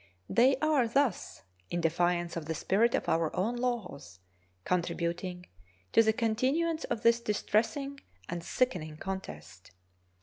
They are thus, in defiance of the spirit of our own laws, contributing to the continuance of this distressing and sickening contest.